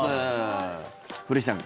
古市さん